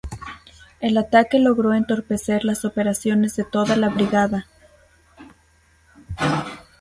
El ataque logro entorpecer las operaciones de toda la brigada.